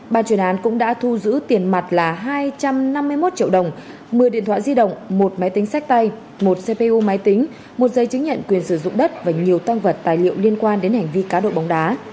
bàn chuyên án cũng đã thu giữ tiền mặt là hai trăm năm mươi một triệu đồng một mươi điện thoại di động một máy tính sách tay một cpu máy tính một giấy chứng nhận quyền sử dụng đất và nhiều tăng vật tài liệu liên quan đến hành vi cá độ bóng đá